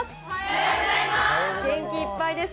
元気いっぱいです。